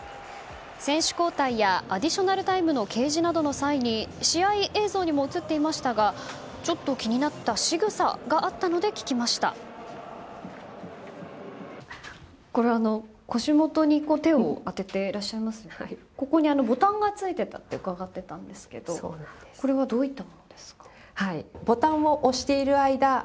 選手交代やアディショナルタイムの掲示などの際に試合映像にも映っていましたが気になったしぐさがあったので聞きました。